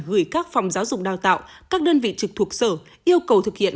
gửi các phòng giáo dục đào tạo các đơn vị trực thuộc sở yêu cầu thực hiện